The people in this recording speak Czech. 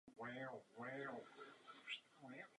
Leží v provinciích Pisa a Lucca.